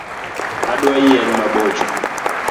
Adwa yien mabocho